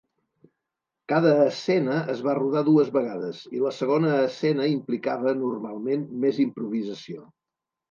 Cada escena es va rodar dues vegades, i la segona escena implicava normalment més improvisació.